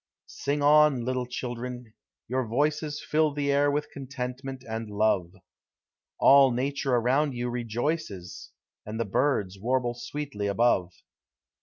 Sing on, little children— your voices Fill the air with contentment and love; All Nature around you rejoices, And the birds warble sweetly above.